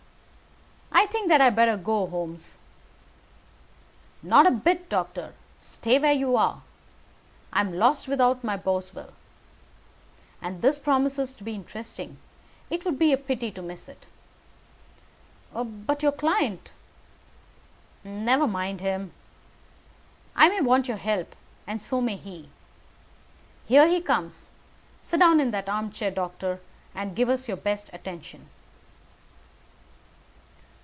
"I think I had better go, Holmes." "Not a bit, doctor. Stay where you are. I am lost without my Boswell. And this promises to be interesting. It would be a pity to miss it." "But your client " "Never mind him. I may want your help, and so may he. Here he comes. Sit down in that armchair, doctor, and give us your best attention."